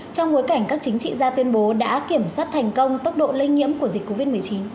trong bối cảnh các chính trị gia tuyên bố đã kiểm soát thành công tốc độ lây nhiễm của dịch covid một mươi chín